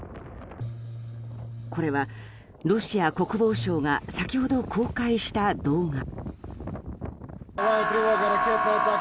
これはロシア国防省が先ほど公開した動画。